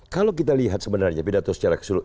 kalau kita lihat sebenarnya pidato secara keseluruhan